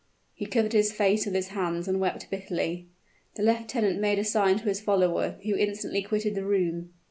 He covered his face with his hands and wept bitterly. The lieutenant made a sign to his follower, who instantly quitted the room.